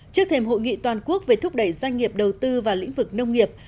trước thêm hội nghị toàn quốc về thúc đẩy doanh nghiệp đầu tư vào lĩnh vực nông nghiệp